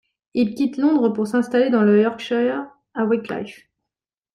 Il quitte Londres pour s'installer dans le Yorkshire, à Wycliffe.